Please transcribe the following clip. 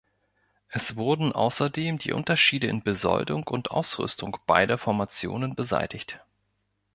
Es wurden außerdem die Unterschiede in Besoldung und Ausrüstung beider Formationen beseitigt.